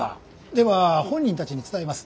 では本人たちに伝えます。